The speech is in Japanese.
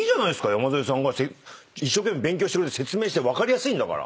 山添さんが一生懸命勉強して説明して分かりやすいんだから。